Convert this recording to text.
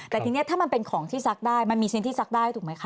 แต่ทีนี้ถ้ามันเป็นของที่ซักได้มันมีชิ้นที่ซักได้ถูกไหมคะ